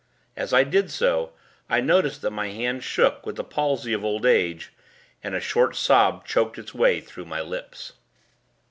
As I did so, I noticed that my hand shook with the palsy of old age; and a short sob choked its way through my lips.